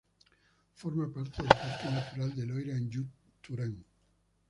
Forma parte del Parque Natural de Loire-Anjou-Touraine.